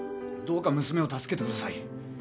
どうか娘を助けてください。